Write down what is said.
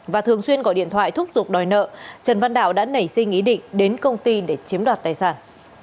và thường xuyên gọi điện thoại thúc giục đòi nợ trần văn đạo đã nảy sinh ý định đến công ty để chiếm đoạt tài sản